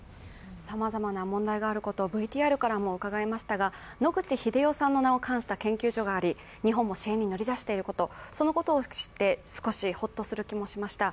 さまざまな問題があることをＶＴＲからもうかがえましたが、野口英世さんを冠した研究所があり日本も支援に乗り出していることそのことを知って、少しホッとする気持ちもしました。